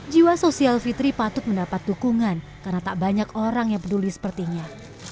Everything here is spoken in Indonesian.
jiwa sosial fitri patut mendapat dukungan karena tak banyak orang yang peduli sepertinya